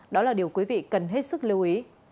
đó là điều quý vị cần hết sức lưu ý